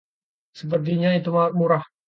Sepertinya itu murah.